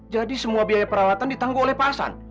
jadi semua biaya peralatan ditangguh oleh pak hasan